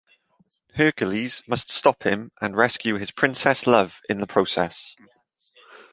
Hercules must stop him and rescue his princess love in the process.